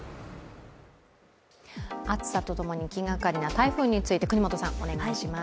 暑さとともに気がかりな台風について國本さん、お願いします。